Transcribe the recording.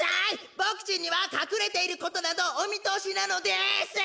ボクちんにはかくれていることなどおみとおしなのです！